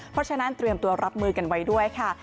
เพราะฉะนั้นเตรียมตัวรับมือกันไว้ด้วยค่ะ